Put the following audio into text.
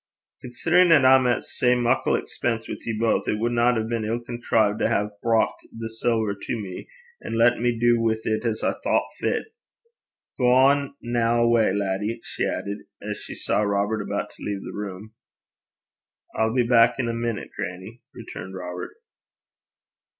'Considerin' 'at I'm at sae muckle expense wi' ye baith, it wadna hae been ill contrived to hae brocht the siller to me, an' latten me du wi' 't as I thocht fit. Gang na awa', laddie,' she added, as she saw Robert about to leave the room. 'I'll be back in a minute, grannie,' returned Robert.